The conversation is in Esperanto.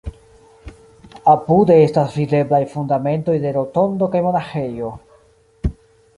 Apude estas videblaj fundamentoj de rotondo kaj monaĥejo.